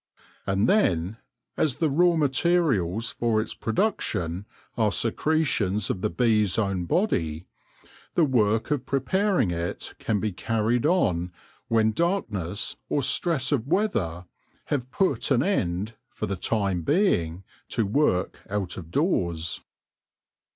And then, as the raw materials for its production are secretions of the bee's own body, the work of preparing it can be carried on when darkness or stress of weather have put an end, for the time being, to work out of doors.